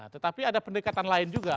tetapi ada pendekatan lain juga